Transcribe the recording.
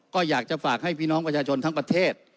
ก็อยากจะฝากให้พี่น้องประชาชนทั้งประเทศ